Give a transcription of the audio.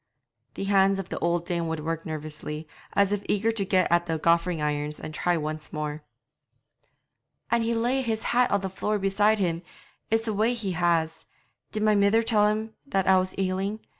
The hands of the old dame would work nervously, as if eager to get at the goffering irons and try once more. 'An' he'd lay his hat on the floor beside him; it's a way he has. Did my mither tell him that I was ailing?